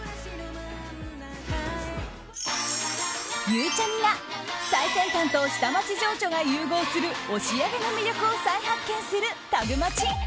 ゆうちゃみが最先端と下町情緒が融合する押上の魅力を再発見するタグマチ。